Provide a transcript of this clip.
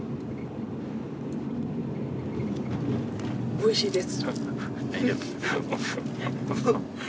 おいしいです。